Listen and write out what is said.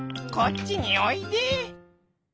「こっちにおいで」。